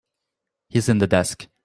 He's in the desk.